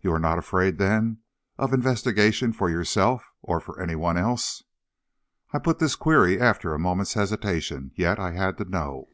"You are not afraid, then, of investigation, for yourself or, for anyone else?" I put this query after a moment's hesitation, yet I had to know.